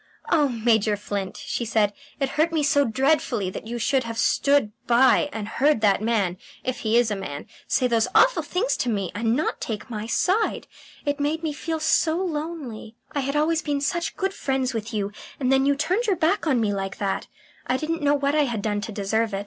"Oh, Major Flint," she said, "it hurt me so dreadfully that you should have stood by and heard that man if he is a man say those awful things to me and not take my side. It made me feel so lonely. I had always been such good friends with you, and then you turned your back on me like that. I didn't know what I had done to deserve it.